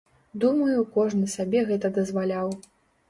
Думаю, кожны сабе гэта дазваляў.